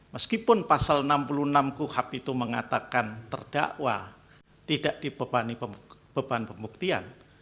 meskipun pasal enam puluh enam kuhap itu mengatakan terdakwa tidak dibebani beban pembuktian